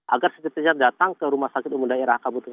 agar sekejap sekejap datang ke rumah sakit umum daerah